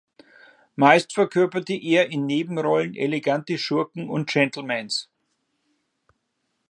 Meist verkörperte er in Nebenrollen elegante Schurken und Gentlemans.